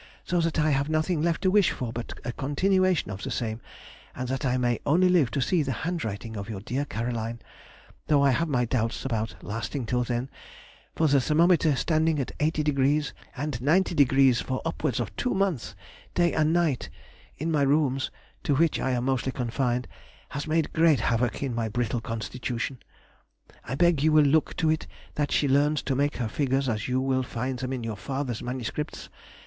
so that I have nothing left to wish for but a continuation of the same, and that I may only live to see the handwriting of your dear Caroline, though I have my doubts about lasting till then, for the thermometer standing 80° and 90° for upwards of two months, day and night, in my rooms (to which I am mostly confined) has made great havoc in my brittle constitution. I beg you will look to it that she learns to make her figures as you will find them in your father's MSS.